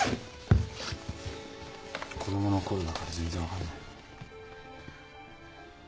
子供のころだから全然分かんない。